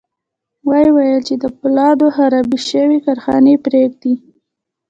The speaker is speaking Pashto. ويې ویل چې د پولادو خرابې شوې کارخانې پرېږدي